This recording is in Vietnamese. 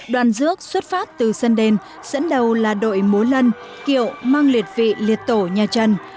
đoàn rước xuất phát từ sân đền dẫn đầu là đội múa lân kiệu mang liệt vị liệt tổ nhà trần